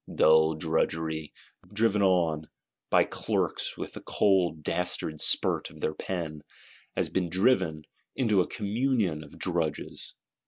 Dull Drudgery, driven on, by clerks with the cold dastard spurt of their pen, has been driven—into a Communion of Drudges!